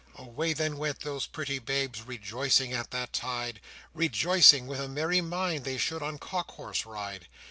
Away then went those pretty babes, Rejoicing at that tide, Rejoicing with a merry mind They should on cock horse ride.